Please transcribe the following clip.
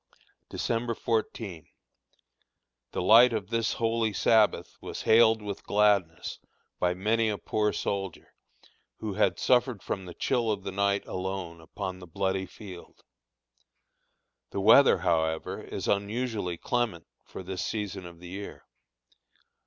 December 14. The light of this holy Sabbath was hailed with gladness by many a poor soldier, who had suffered from the chill of the night alone upon the bloody field. The weather, however, is unusually clement for this season of the year.